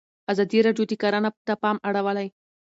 ازادي راډیو د کرهنه ته پام اړولی.